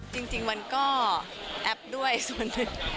จริงมันก็แอปด้วยส่วนหนึ่ง